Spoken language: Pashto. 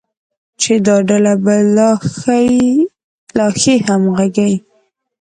چې دا ډله به د لا ښې همغږۍ،